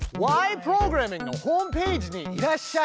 プログラミング」のホームページにいらっしゃい。